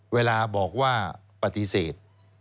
เวลาบอกว่าปฏิเสธ